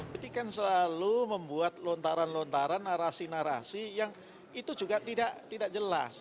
berarti kan selalu membuat lontaran lontaran narasi narasi yang itu juga tidak jelas